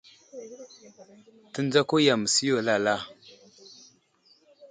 Tendzako yam məsiyo i alala.